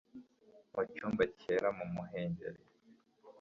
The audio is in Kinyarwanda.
mu cyumba cyera mu muhengeri